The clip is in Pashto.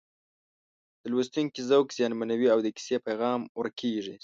د لوستونکي ذوق زیانمنوي او د کیسې پیغام ورک کېږي